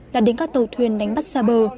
là đến các tàu thuyền đánh bắt xa bờ